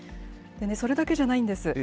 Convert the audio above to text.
それだけじゃないんです。